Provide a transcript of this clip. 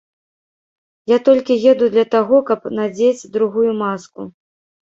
Я толькі еду для таго, каб надзець другую маску.